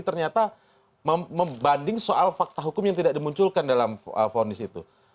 ternyata membanding soal fakta hukum yang tidak dimunculkan dalam vonis itu